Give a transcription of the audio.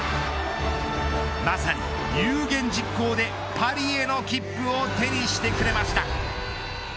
まさに、有言実行でパリへの切符を手にしてくれました。